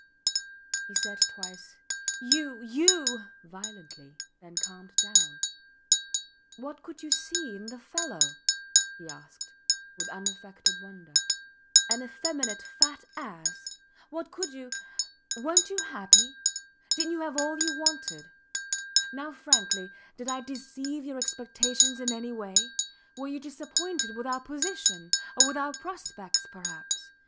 He said twice, You! You! violently, then calmed down. What could you see in the fellow? he asked, with unaffected wonder. An effeminate, fat ass. What could you ... Werent you happy? Didnt you have all you wanted? Now frankly; did I deceive your expectations in any way? Were you disappointed with our position or with our prospects perhaps?